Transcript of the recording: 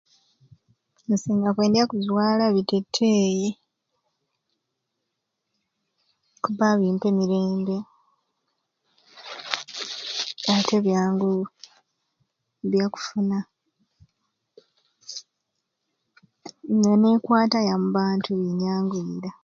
Nsinga kwendya kuzwala biteteeyi kubba bimpa emirembe ate byangu byakufuna ne nenkwata ya mu bantu nenyanguwira.